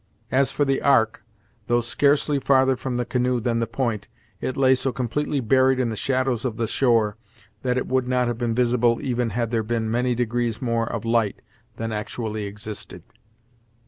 As for the ark, though scarcely farther from the canoe than the point, it lay so completely buried in the shadows of the shore, that it would not have been visible even had there been many degrees more of light than actually existed.